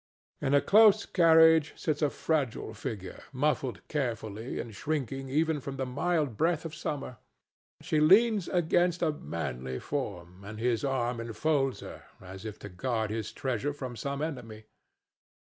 In a close carriage sits a fragile figure muffled carefully and shrinking even from the mild breath of summer. She leans against a manly form, and his arm enfolds her as if to guard his treasure from some enemy.